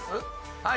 はい。